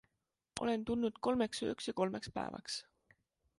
Olen tulnud kolmeks ööks ja kolmeks päevaks.